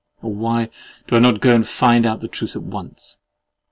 Or why do I not go and find out the truth at once?